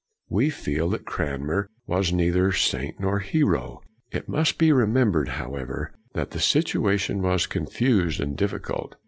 We feel that Cranmer was neither saint nor hero. It must be remembered, however, that the situation was confused and difficult.